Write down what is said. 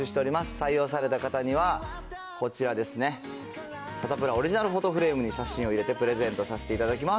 採用された方にはこちらですね、サタプラオリジナルフォトフレームに写真を入れてプレゼントさせていただきます。